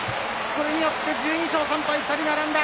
これによって１２勝３敗２人並んだ。